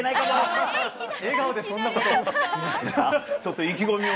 笑顔でそんなことを。